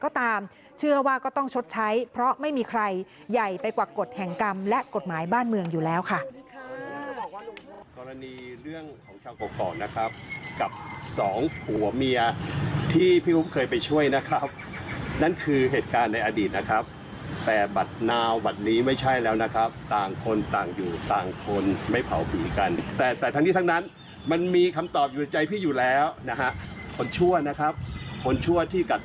ก็ตามเชื่อว่าก็ต้องชดใช้เพราะไม่มีใครใหญ่ไปกว่ากฎแห่งกรรมและกฎหมายบ้านเมืองอยู่แล้วค่ะ